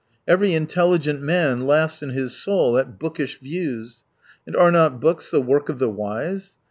Every intelligent man laughs in his soul at " bookish " views. And are not books the work of the wise